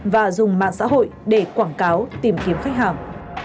và dùng mạng xã hội để quảng cáo tìm kiếm khách hàng